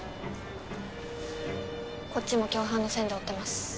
こっちも共犯の線で追ってます